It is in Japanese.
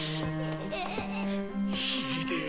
ひでえ。